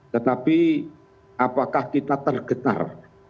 tetapi apakah kita tergetar